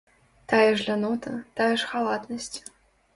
Тая ж лянота, тая ж халатнасць.